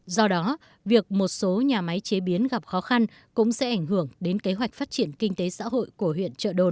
do đó việc một số nhà máy chế biến gặp khó khăn cũng sẽ ảnh hưởng đến kế hoạch phát triển kinh tế xã hội của huyện trợ đồn